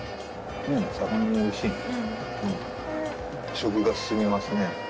食が進みますね。